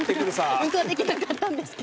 うんこはできなかったんですけど。